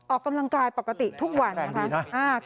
ออกกำลังกายปกติทุกวันนะคะ